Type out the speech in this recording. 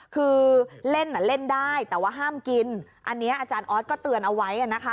คือเล่นเล่นได้แต่ว่าห้ามกินอันนี้อาจารย์ออสก็เตือนเอาไว้นะคะ